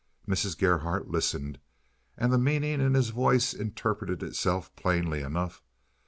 Mrs. Gerhardt listened, and the meaning in his voice interpreted itself plainly enough.